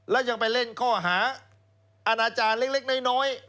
แล้วยังไปเล่นข้อหาอาณาจารย์เล็กน้อย